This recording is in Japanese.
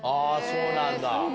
そうなんだ。